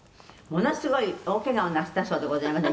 「ものすごい大けがをなすったそうでございます」